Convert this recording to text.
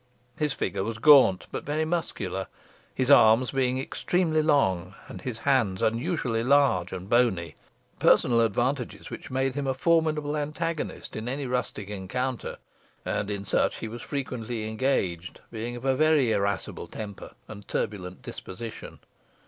His figure was gaunt but very muscular, his arms being extremely long and his hands unusually large and bony personal advantages which made him a formidable antagonist in any rustic encounter, and in such he was frequently engaged, being of a very irascible temper, and turbulent disposition.